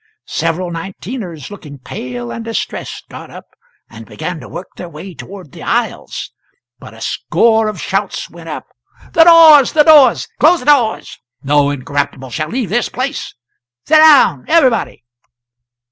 Several Nineteeners, looking pale and distressed, got up and began to work their way towards the aisles, but a score of shouts went up: "The doors, the doors close the doors; no Incorruptible shall leave this place! Sit down, everybody!"